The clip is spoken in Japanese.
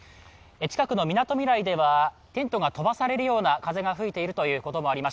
近くのみなとみらいではテントが飛ばされるような風が吹いているということです。